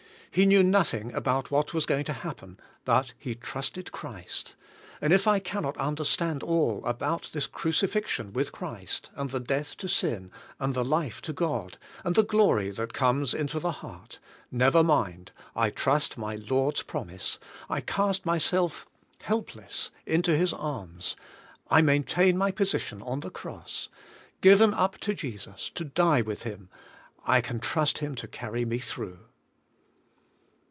He knew nothing about what was going to happen, but he trusted Christ; and if I can not understand all about this crucifixion with Christ, and the death to sin, and the life to God, and the glory that comes into the heart, never mind, I trust my Lord's promise, I cast myself helpless into His arms, I maintain my position on the cross. Given up to Jesus, to die with Him, I can trust Him to carry me through.